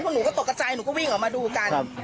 หนูก็ตกกระใจหนูก็วิ่งออกมาดูกัน